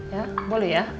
ya boleh ya